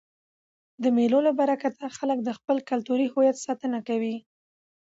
د مېلو له برکته خلک د خپل کلتوري هویت ساتنه کوي.